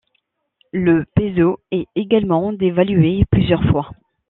Le peso est également dévalué plusieurs fois.